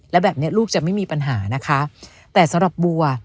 แล้วแบบนี้ลูกจะไม่มีปัญหานะคะแต่สำหรับบัว